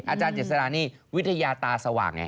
อาจารย์เจษฎานี่วิทยาตาสว่างไง